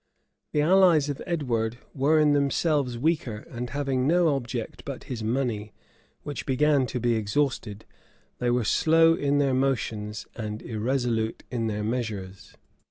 The allies of Edward were in themselves weaker; and having no object but his money, which began to be exhausted, they were slow in their motions and irresolute in their measures.